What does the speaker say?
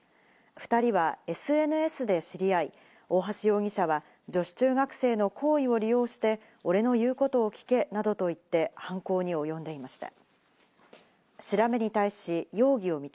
２人はＳＮＳで知り合い、大橋容疑者は女子中学生の好意を利用して、俺の言うことを聞けなどと言って犯行におよんでいました。